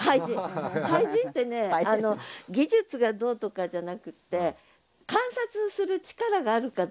俳人ってね技術がどうとかじゃなくって観察する力があるかどうかなんですよ。